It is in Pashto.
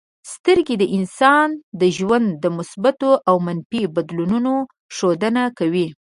سترګې د انسان د ژوند د مثبتو او منفي بدلونونو ښودنه کوي.